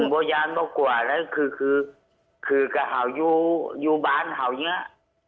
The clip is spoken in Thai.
ผมก็ยังไม่กลัวนะคือก็อยู่บ้านอยู่เนี่ย